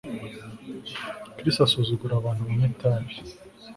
Chris asuzugura abantu banywa itabi